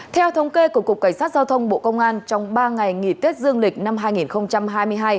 theo thống kê của cục cảnh sát giao thông bộ công an trong ba ngày nghỉ tết dương lịch năm hai nghìn hai mươi hai